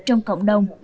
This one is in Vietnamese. trong cộng đồng